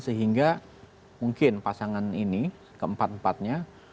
sehingga mungkin pasangan ini keempat empatnya